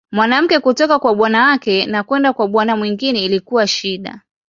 Mwanamke kutoka kwa bwana yake na kwenda kwa bwana mwingine ilikuwa shida.